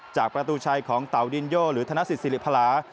จากประตูชัยของเตาดินโยหรือธนสิทธิริพลา